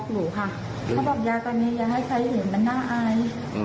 หนูบอกว่าหนูเป็นคนภูมิต้านหาน้อย